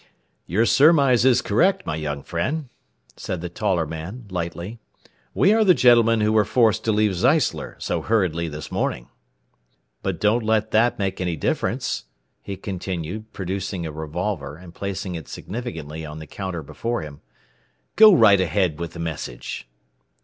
"Your surmise is correct, my young friend," said the taller man, lightly. "We are the gentlemen who were forced to leave Zeisler so hurriedly this morning. "But don't let that make any difference," he continued, producing a revolver and placing it significantly on the counter before him. "Go right ahead with the message.